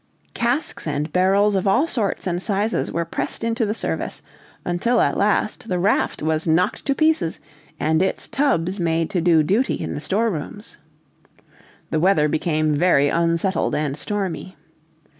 Casks and barrels of all sorts and sizes were pressed into the service, until at last the raft was knocked to pieces, and its tubs made to do duty in the storerooms. The weather became very unsettled and stormy.